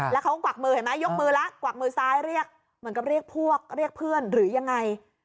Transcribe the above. แล้วเขาก็กวักมือเห็นไหมยกมือแล้วกวักมือซ้ายเรียกเหมือนกับเรียกพวกเรียกเพื่อนหรือยังไง